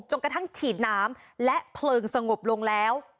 กระทั่งฉีดน้ำและเพลิงสงบลงแล้ว